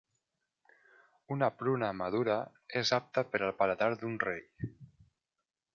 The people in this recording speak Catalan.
Una pruna madura és apta per al paladar d'un rei.